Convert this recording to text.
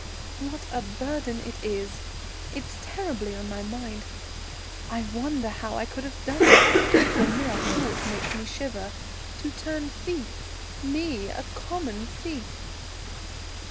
What a burden it is! It's terribly on my mind. I wonder how I could have done it. The mere thought makes me shiver. To turn thief! Me, a common thief!"